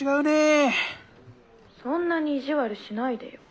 そんなに意地悪しないでよ。